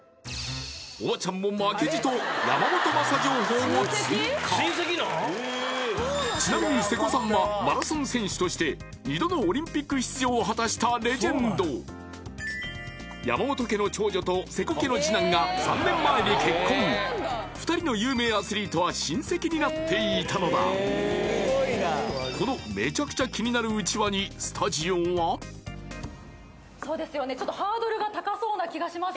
負けじとちなみに瀬古さんはマラソン選手として２度のオリンピック出場を果たしたレジェンド山本家の長女と瀬古家の次男が３年前に結婚２人の有名アスリートは親戚になっていたのだこのめちゃくちゃそうですよねちょっとハードルが高そうな気がします